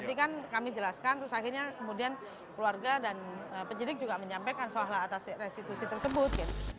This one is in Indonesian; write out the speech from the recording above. ini kan kami jelaskan terus akhirnya kemudian keluarga dan penyidik juga menyampaikan soal atas restitusi tersebut